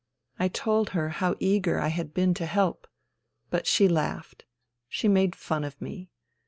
I told her how eager I had been to help. But she laughed. She made fun of me.